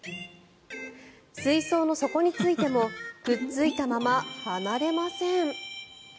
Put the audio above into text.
水槽の底に着いてもくっついたまま離れません。